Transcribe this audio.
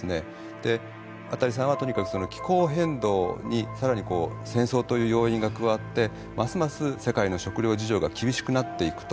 でアタリさんはとにかく気候変動に更に戦争という要因が加わってますます世界の食料事情が厳しくなっていくと。